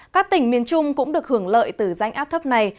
các tỉnh miền trung cũng được hưởng lợi từ rãnh áp thấp này